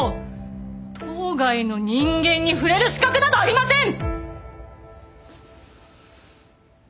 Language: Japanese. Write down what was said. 島外の人間に触れる資格などありません！